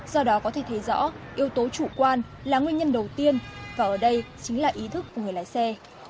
do đó có thể thấy rõ yếu tố chủ quan là nguyên nhân đầu tiên và ở đây chính là ý thức của người lái xe